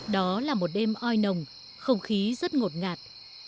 đó là một đêm oi nồng không khí rất ngột ngạt